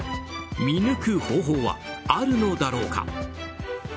見抜く方法はあるのだろうか。